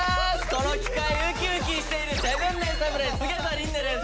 この機会ウキウキしている７ＭＥＮ侍菅田琳寧です！